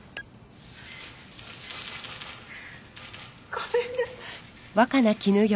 ごめんなさい。